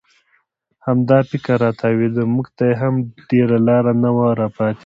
همدا فکر را تاوېده، موږ ته هم ډېره لاره نه وه پاتې.